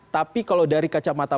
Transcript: tapi kalau dari kacamata